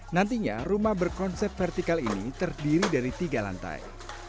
nantinya rumah berkonsep vertikal ini terdiri dari tiga lantai